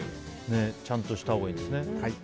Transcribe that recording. ちゃんとしたほうがいいんですね。